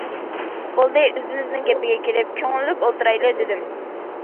بولدى، ئۆزىمىزنىڭ گېپىگە كېلىپ، كۆڭۈللۈك ئولتۇرايلى، دېدىم.